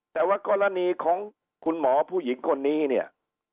แต่ว่ากรณีของคุณหมอผู้หญิงคนนี้เนี่ย